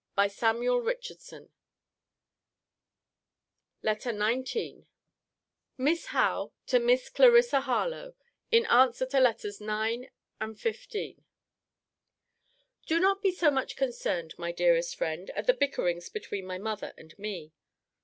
And so much for this time. LETTER XIX MISS HOWE, TO MISS CLARISSA HARLOWE [IN ANSWER TO LETTERS IX. XV.] Do not be so much concerned, my dearest friend, at the bickerings between my mother and me.